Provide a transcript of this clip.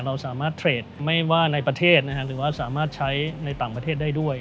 เราสามารถเทรดไม่ว่าในประเทศหรือว่าสามารถใช้ในต่างประเทศได้ด้วย